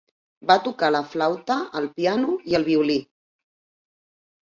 Va tocar la flauta, el piano i el violí.